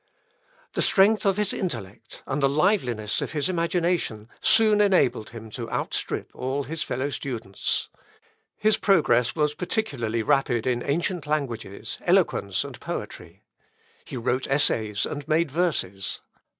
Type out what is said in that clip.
The strength of his intellect, and the liveliness of his imagination, soon enabled him to outstrip all his fellow students. His progress was particularly rapid in ancient languages, eloquence, and poetry. He wrote essays and made verses.